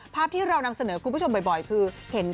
ภาพที่เรานำเสนอคุณผู้ชมบ่อยคือเห็น